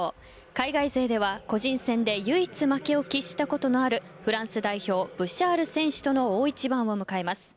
海外勢では、個人戦で唯一負けを喫したことのあるフランス代表ブシャール選手との大一番を迎えます。